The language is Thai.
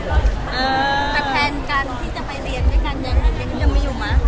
แต่แฟนกันที่จะไปเรียนด้วยกันยังมาอยู่มั้ย